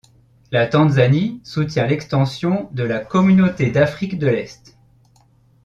La Tanzanie soutient l'extension de la Communauté d'Afrique de l'Est.